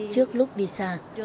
trước lúc đi xa